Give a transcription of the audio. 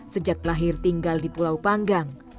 sejak lahir tinggal di pulau panggang